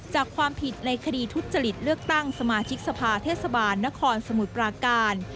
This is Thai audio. จากความผิดในคดีทุจริตเลือกตั้งสมาชิกสภาเทศบาลนครสมุทรปราการ